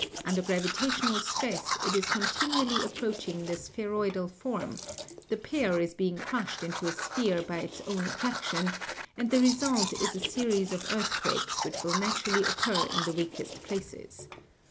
Under gravita tional stress it is continually approaching the spheroidal form — the pear is being crushed into a sphere by its own attraction; and the result is a series of earthquakes which will naturally occur in the weakest places.